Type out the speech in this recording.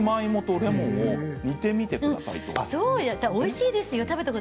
そうよ、おいしいですよ。